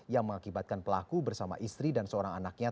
yang mengakibatkan pelaku bersama istri dan seorang anaknya